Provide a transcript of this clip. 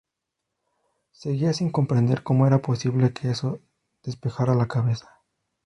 seguía sin comprender como era posible que eso despejara la cabeza